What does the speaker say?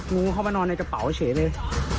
งูเข้ามานอนในกระเป๋าเฉยเลย